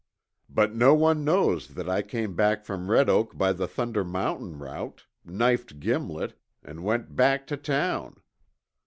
But no one knows that I came back from Red Oak by the Thunder Mountain route, knifed Gimlet, an' went back to town.